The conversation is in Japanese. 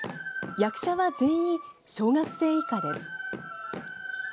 役者は全員、小学生以下です。